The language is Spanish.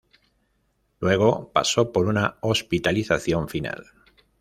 Luego pasó por una hospitalización final.